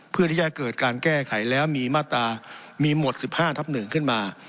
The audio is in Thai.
เพื่อที่จะเกิดการแก้ไขแล้วมีมาตรามีหมดสิบห้าทับหนึ่งขึ้นมา